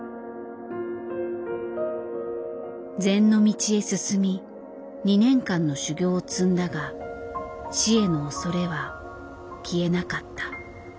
禅の道へ進み２年間の修行を積んだが死への恐れは消えなかった。